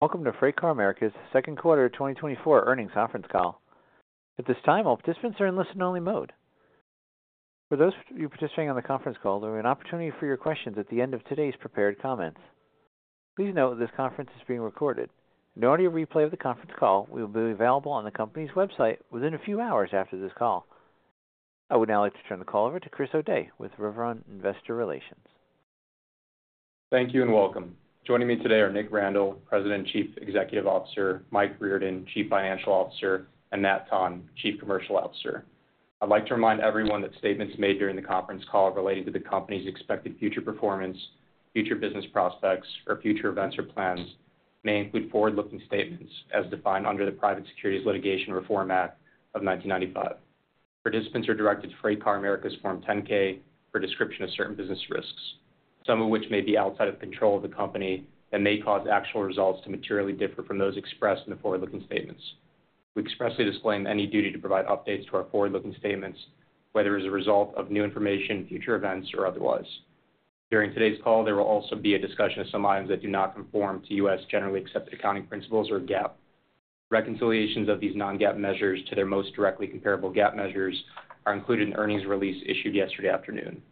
Welcome to FreightCar America's second quarter of 2024 earnings conference call. At this time, all participants are in listen-only mode. For those of you participating on the conference call, there will be an opportunity for your questions at the end of today's prepared comments. Please note, this conference is being recorded, and an audio replay of the conference call will be available on the company's website within a few hours after this call. I would now like to turn the call over to Chris O'Dea with Riveron Investor Relations. Thank you, and welcome. Joining me today are Nick Randall, President and Chief Executive Officer, Mike Reardon, Chief Financial Officer, and Matt Tonn, Chief Commercial Officer. I'd like to remind everyone that statements made during the conference call relating to the company's expected future performance, future business prospects, or future events or plans may include forward-looking statements as defined under the Private Securities Litigation Reform Act of 1995. Participants are directed to FreightCar America's Form 10-K for a description of certain business risks, some of which may be outside of control of the company and may cause actual results to materially differ from those expressed in the forward-looking statements. We expressly disclaim any duty to provide updates to our forward-looking statements, whether as a result of new information, future events, or otherwise. During today's call, there will also be a discussion of some items that do not conform to U.S. generally accepted accounting principles, or GAAP. Reconciliations of these non-GAAP measures to their most directly comparable GAAP measures are included in the earnings release issued yesterday afternoon.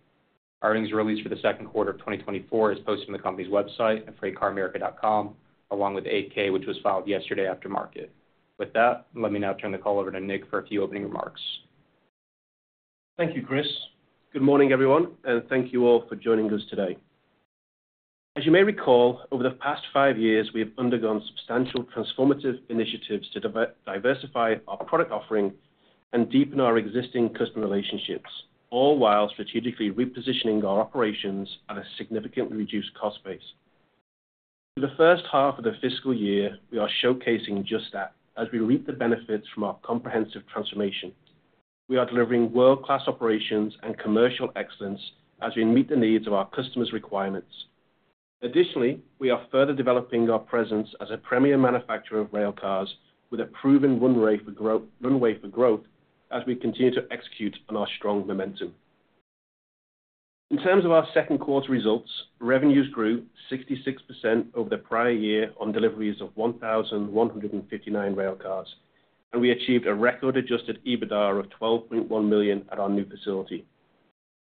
Earnings release for the second quarter of 2024 is posted on the company's website at freightcaramerica.com, along with the 8-K, which was filed yesterday after market. With that, let me now turn the call over to Nick for a few opening remarks. Thank you, Chris. Good morning, everyone, and thank you all for joining us today. As you may recall, over the past five years, we have undergone substantial transformative initiatives to diversify our product offering and deepen our existing customer relationships, all while strategically repositioning our operations at a significantly reduced cost base. For the first half of the fiscal year, we are showcasing just that as we reap the benefits from our comprehensive transformation. We are delivering world-class operations and commercial excellence as we meet the needs of our customers' requirements. Additionally, we are further developing our presence as a premier manufacturer of railcars with a proven runway for growth as we continue to execute on our strong momentum. In terms of our second quarter results, revenues grew 66% over the prior year on deliveries of 1,159 railcars, and we achieved a record Adjusted EBITDA of $12.1 million at our new facility.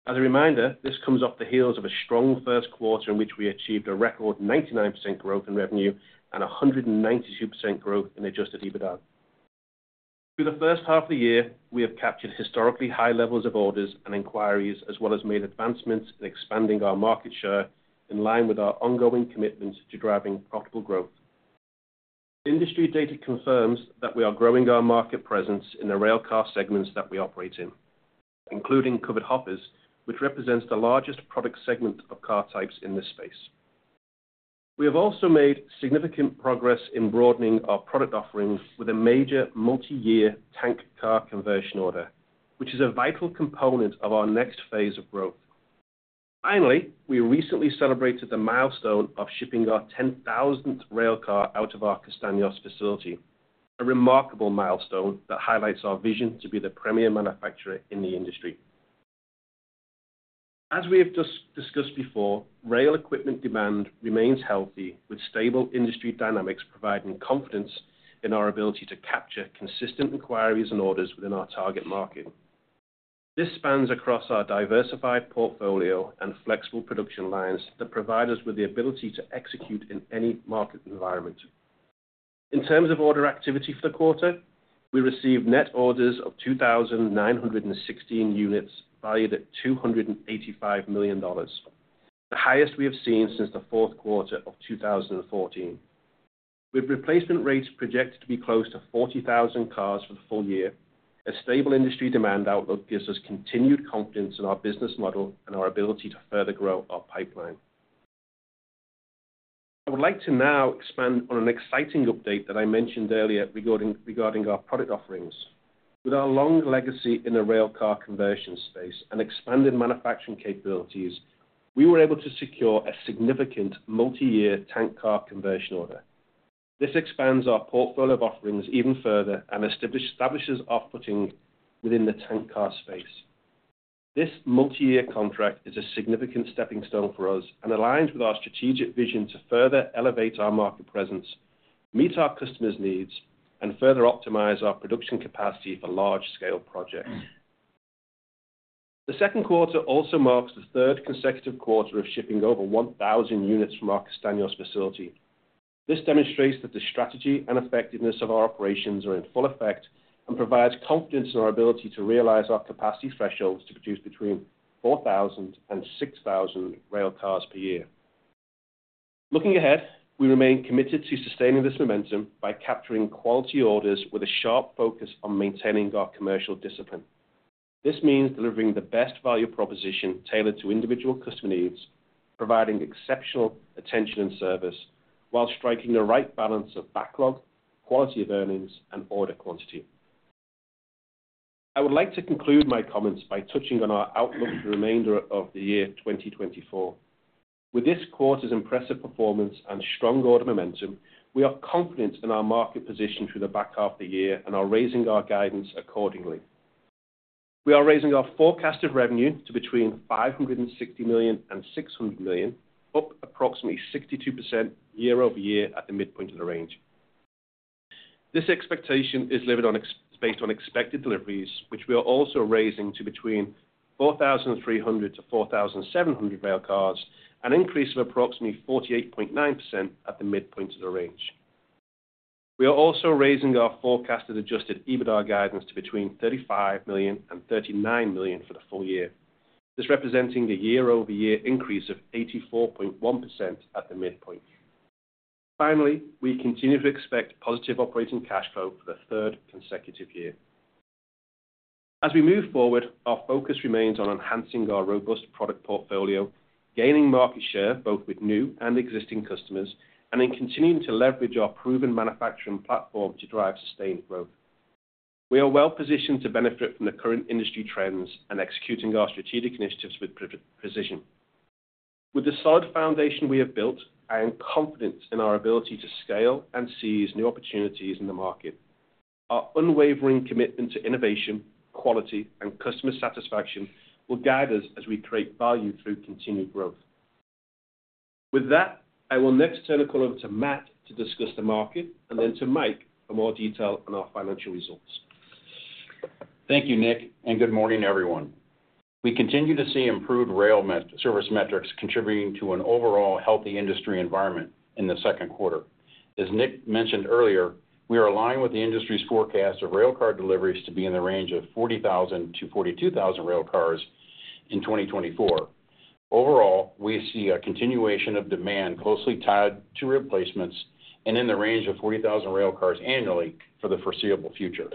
As a reminder, this comes off the heels of a strong first quarter in which we achieved a record 99% growth in revenue and a 192% growth in Adjusted EBITDA. Through the first half of the year, we have captured historically high levels of orders and inquiries, as well as made advancements in expanding our market share in line with our ongoing commitments to driving profitable growth. Industry data confirms that we are growing our market presence in the railcar segments that we operate in, including covered hoppers, which represents the largest product segment of car types in this space. We have also made significant progress in broadening our product offerings with a major multi-year tank car conversion order, which is a vital component of our next phase of growth. Finally, we recently celebrated the milestone of shipping our 10,000th railcar out of our Castaños facility, a remarkable milestone that highlights our vision to be the premier manufacturer in the industry. As we have just discussed before, rail equipment demand remains healthy, with stable industry dynamics providing confidence in our ability to capture consistent inquiries and orders within our target market. This spans across our diversified portfolio and flexible production lines that provide us with the ability to execute in any market environment. In terms of order activity for the quarter, we received net orders of 2,916 units, valued at $285 million, the highest we have seen since the fourth quarter of 2014. With replacement rates projected to be close to 40,000 cars for the full year, a stable industry demand outlook gives us continued confidence in our business model and our ability to further grow our pipeline. I would like to now expand on an exciting update that I mentioned earlier regarding our product offerings. With our long legacy in the railcar conversion space and expanded manufacturing capabilities, we were able to secure a significant multi-year tank car conversion order. This expands our portfolio of offerings even further and establishes a foothold within the tank car space. This multi-year contract is a significant stepping stone for us and aligns with our strategic vision to further elevate our market presence, meet our customers' needs, and further optimize our production capacity for large-scale projects. The second quarter also marks the third consecutive quarter of shipping over 1,000 units from our Castaños facility. This demonstrates that the strategy and effectiveness of our operations are in full effect and provides confidence in our ability to realize our capacity thresholds to produce between 4,000 and 6,000 railcars per year. Looking ahead, we remain committed to sustaining this momentum by capturing quality orders with a sharp focus on maintaining our commercial discipline. This means delivering the best value proposition tailored to individual customer needs, providing exceptional attention and service while striking the right balance of backlog, quality of earnings, and order quantity. I would like to conclude my comments by touching on our outlook for the remainder of the year 2024. With this quarter's impressive performance and strong order momentum, we are confident in our market position through the back half of the year and are raising our guidance accordingly. We are raising our forecasted revenue to between $560 million and $600 million, up approximately 62% year-over-year at the midpoint of the range. This expectation is based on expected deliveries, which we are also raising to between 4,300-4,700 railcars, an increase of approximately 48.9% at the midpoint of the range. We are also raising our forecasted Adjusted EBITDA guidance to between $35 million and $39 million for the full year, this representing the year-over-year increase of 84.1% at the midpoint. Finally, we continue to expect positive operating cash flow for the third consecutive year. As we move forward, our focus remains on enhancing our robust product portfolio, gaining market share, both with new and existing customers, and in continuing to leverage our proven manufacturing platform to drive sustained growth. We are well-positioned to benefit from the current industry trends and executing our strategic initiatives with precision. With the solid foundation we have built, I am confident in our ability to scale and seize new opportunities in the market. Our unwavering commitment to innovation, quality, and customer satisfaction will guide us as we create value through continued growth. With that, I will next turn the call over to Matt to discuss the market, and then to Mike for more detail on our financial results. Thank you, Nick, and good morning, everyone. We continue to see improved rail service metrics contributing to an overall healthy industry environment in the second quarter. As Nick mentioned earlier, we are aligned with the industry's forecast of railcar deliveries to be in the range of 40,000-42,000 railcars in 2024. Overall, we see a continuation of demand closely tied to replacements and in the range of 40,000 railcars annually for the foreseeable future.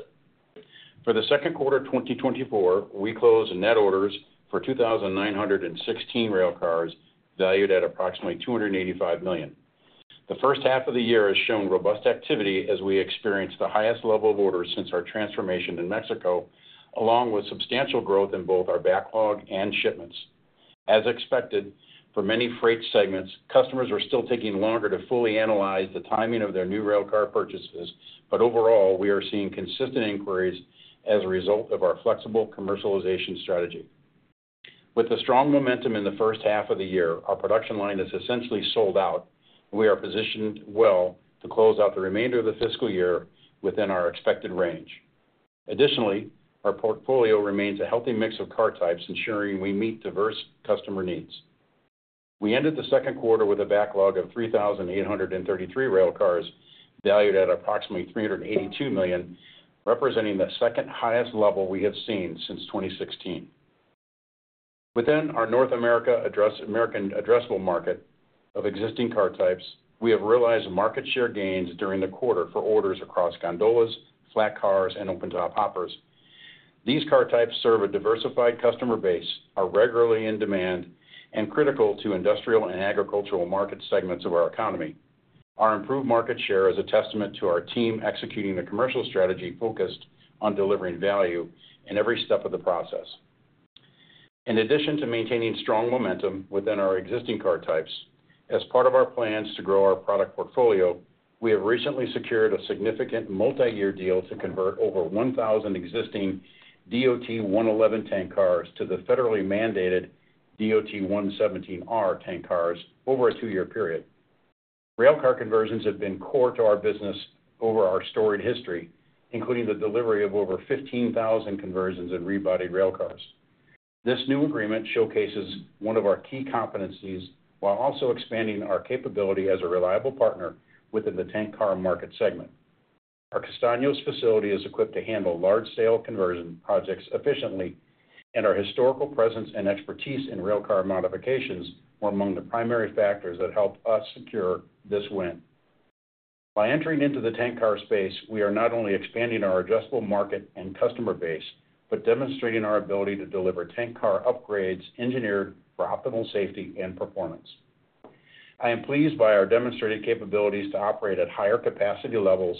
For the second quarter of 2024, we closed net orders for 2,916 railcars, valued at approximately $285 million. The first half of the year has shown robust activity as we experienced the highest level of orders since our transformation in Mexico, along with substantial growth in both our backlog and shipments. As expected, for many freight segments, customers are still taking longer to fully analyze the timing of their new railcar purchases, but overall, we are seeing consistent inquiries as a result of our flexible commercialization strategy. With the strong momentum in the first half of the year, our production line is essentially sold out. We are positioned well to close out the remainder of the fiscal year within our expected range. Additionally, our portfolio remains a healthy mix of car types, ensuring we meet diverse customer needs. We ended the second quarter with a backlog of 3,833 railcars, valued at approximately $382 million, representing the second highest level we have seen since 2016. Within our North American addressable market of existing car types, we have realized market share gains during the quarter for orders across gondolas, flat cars, and open top hoppers. These car types serve a diversified customer base, are regularly in demand, and critical to industrial and agricultural market segments of our economy. Our improved market share is a testament to our team executing the commercial strategy focused on delivering value in every step of the process. In addition to maintaining strong momentum within our existing car types, as part of our plans to grow our product portfolio, we have recently secured a significant multiyear deal to convert over 1,000 existing DOT-111 tank cars to the federally mandated DOT-117R tank cars over a two-year period. Railcar conversions have been core to our business over our storied history, including the delivery of over 15,000 conversions in rebodied railcars. This new agreement showcases one of our key competencies while also expanding our capability as a reliable partner within the tank car market segment. Our Castaños facility is equipped to handle large-scale conversion projects efficiently, and our historical presence and expertise in railcar modifications were among the primary factors that helped us secure this win. By entering into the tank car space, we are not only expanding our addressable market and customer base, but demonstrating our ability to deliver tank car upgrades engineered for optimal safety and performance. I am pleased by our demonstrated capabilities to operate at higher capacity levels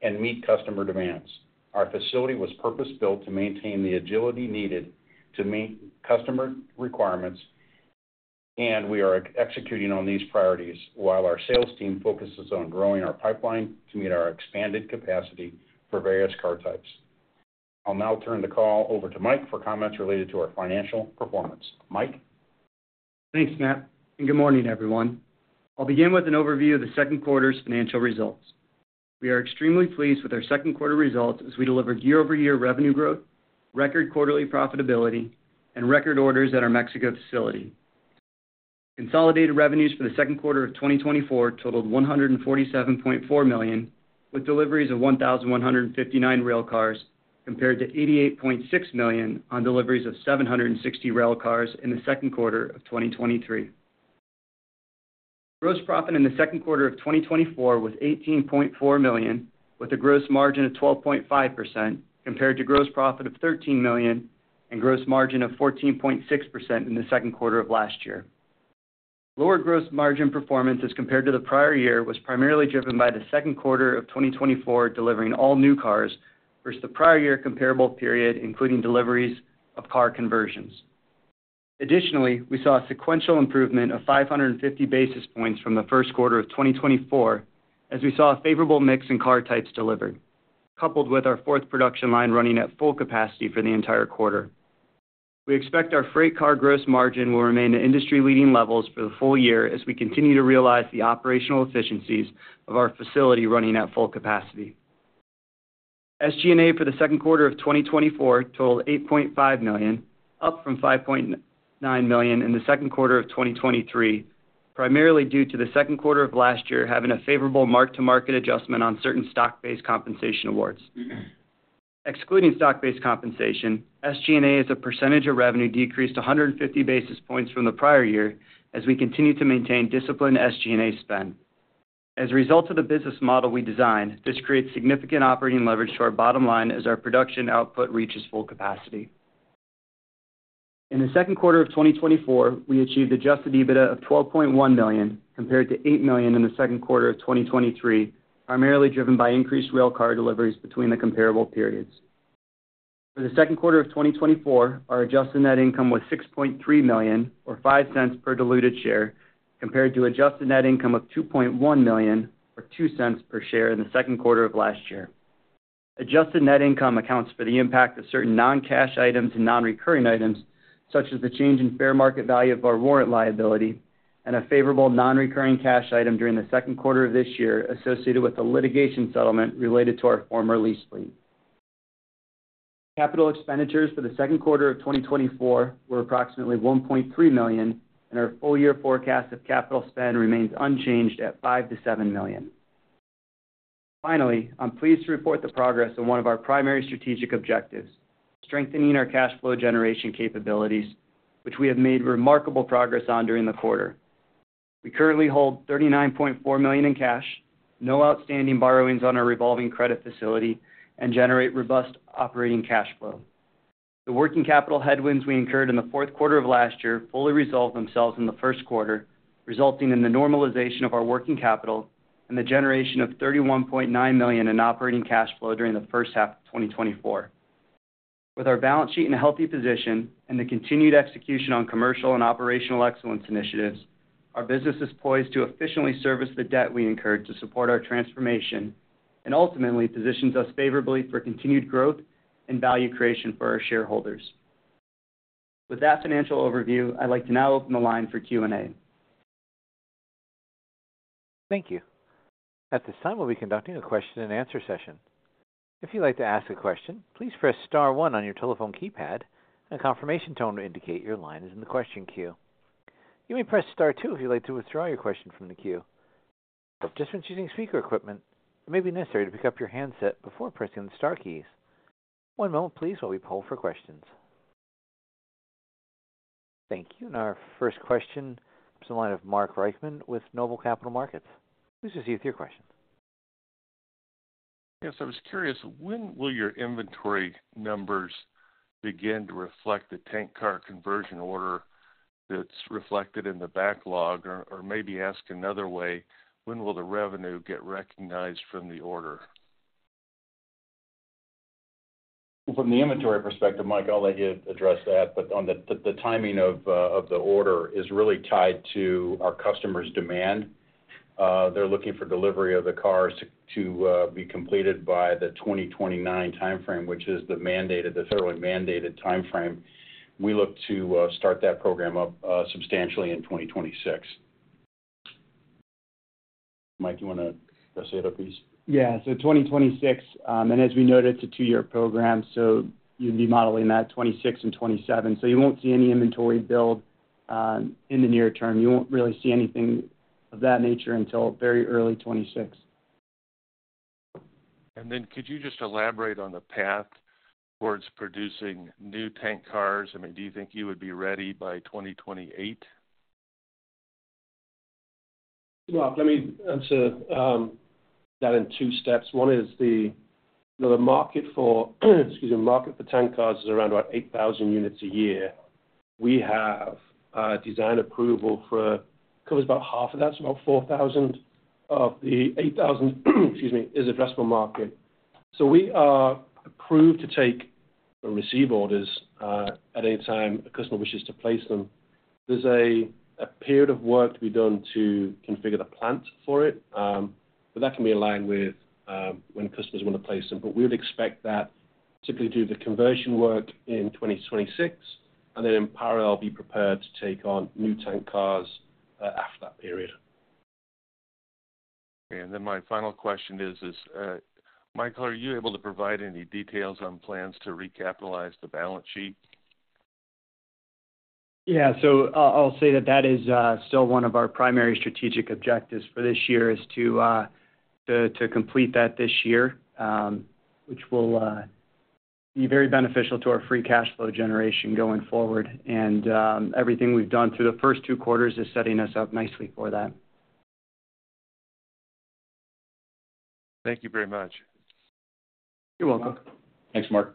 and meet customer demands. Our facility was purpose-built to maintain the agility needed to meet customer requirements, and we are executing on these priorities while our sales team focuses on growing our pipeline to meet our expanded capacity for various car types. I'll now turn the call over to Mike for comments related to our financial performance. Mike? Thanks, Matt, and good morning, everyone. I'll begin with an overview of the second quarter's financial results. We are extremely pleased with our second quarter results, as we delivered year-over-year revenue growth, record quarterly profitability, and record orders at our Mexico facility. Consolidated revenues for the second quarter of 2024 totaled $147.4 million, with deliveries of 1,159 railcars, compared to $88.6 million on deliveries of 760 railcars in the second quarter of 2023. Gross profit in the second quarter of 2024 was $18.4 million, with a gross margin of 12.5%, compared to gross profit of $13 million and gross margin of 14.6% in the second quarter of last year. Lower gross margin performance as compared to the prior year was primarily driven by the second quarter of 2024, delivering all new cars versus the prior year comparable period, including deliveries of car conversions.... Additionally, we saw a sequential improvement of 550 basis points from the first quarter of 2024, as we saw a favorable mix in car types delivered, coupled with our fourth production line running at full capacity for the entire quarter. We expect our freight car gross margin will remain at industry-leading levels for the full year as we continue to realize the operational efficiencies of our facility running at full capacity. SG&A for the second quarter of 2024 totaled $8.5 million, up from $5.9 million in the second quarter of 2023, primarily due to the second quarter of last year having a favorable mark-to-market adjustment on certain stock-based compensation awards. Excluding stock-based compensation, SG&A as a percentage of revenue decreased to 150 basis points from the prior year as we continue to maintain disciplined SG&A spend. As a result of the business model we designed, this creates significant operating leverage to our bottom line as our production output reaches full capacity. In the second quarter of 2024, we achieved adjusted EBITDA of $12.1 million, compared to $8 million in the second quarter of 2023, primarily driven by increased railcar deliveries between the comparable periods. For the second quarter of 2024, our Adjusted Net Income was $6.3 million, or $0.05 per diluted share, compared to Adjusted Net Income of $2.1 million, or $0.02 per share in the second quarter of last year. Adjusted Net Income accounts for the impact of certain non-cash items and non-recurring items, such as the change in fair market value of our warrant liability and a favorable non-recurring cash item during the second quarter of this year associated with the litigation settlement related to our former lease fleet. Capital expenditures for the second quarter of 2024 were approximately $1.3 million, and our full-year forecast of capital spend remains unchanged at $5 million-$7 million. Finally, I'm pleased to report the progress on one of our primary strategic objectives, strengthening our cash flow generation capabilities, which we have made remarkable progress on during the quarter. We currently hold $39.4 million in cash, no outstanding borrowings on our revolving credit facility, and generate robust operating cash flow. The working capital headwinds we incurred in the fourth quarter of last year fully resolved themselves in the first quarter, resulting in the normalization of our working capital and the generation of $31.9 million in operating cash flow during the first half of 2024. With our balance sheet in a healthy position and the continued execution on commercial and operational excellence initiatives, our business is poised to efficiently service the debt we incurred to support our transformation and ultimately positions us favorably for continued growth and value creation for our shareholders. With that financial overview, I'd like to now open the line for Q&A. Thank you. At this time, we'll be conducting a question-and-answer session. If you'd like to ask a question, please press star one on your telephone keypad. A confirmation tone will indicate your line is in the question queue. You may press star two if you'd like to withdraw your question from the queue. Participants using speaker equipment, it may be necessary to pick up your handset before pressing the star keys. One moment, please, while we poll for questions. Thank you. Our first question is on the line of Mark Reichman with Noble Capital Markets. Please proceed with your question. Yes, I was curious, when will your inventory numbers begin to reflect the tank car conversion order that's reflected in the backlog? Or, or maybe asked another way, when will the revenue get recognized from the order? From the inventory perspective, Mike, I'll let you address that, but on the timing of the order is really tied to our customer's demand. They're looking for delivery of the cars to be completed by the 2029 timeframe, which is the mandated, the federally mandated timeframe. We look to start that program up substantially in 2026. Mike, do you want to say it, please? Yeah. So 2026, and as we noted, it's a 2-year program, so you'd be modeling that 2026 and 2027. So you won't see any inventory build in the near term. You won't really see anything of that nature until very early 2026. And then could you just elaborate on the path towards producing new tank cars? I mean, do you think you would be ready by 2028? Well, let me answer that in two steps. One is the market for tank cars is around about 8,000 units a year. We have design approval for covers about half of that, so about 4,000 of the 8,000 is addressable market. So we are approved to take or receive orders at any time a customer wishes to place them. There's a period of work to be done to configure the plant for it, but that can be aligned with when customers want to place them. But we would expect that typically do the conversion work in 2026, and then in parallel, be prepared to take on new tank cars after that period. And then my final question is, Michael, are you able to provide any details on plans to recapitalize the balance sheet? Yeah. So I'll say that that is still one of our primary strategic objectives for this year, is to complete that this year, which will be very beneficial to our free cash flow generation going forward. And everything we've done through the first two quarters is setting us up nicely for that. Thank you very much. You're welcome. Thanks, Mark.